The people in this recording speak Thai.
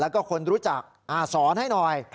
แล้วก็คนรู้จักสอนให้หน่อย